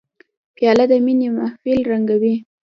پیاله د مینې محفل رنګینوي.